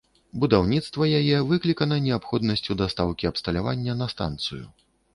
Будаўніцтва яе выклікана неабходнасцю дастаўкі абсталявання на станцыю.